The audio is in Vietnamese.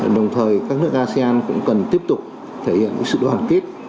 đồng thời các nước asean cũng cần tiếp tục thể hiện sự đoàn kết